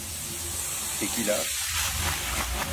Tekila?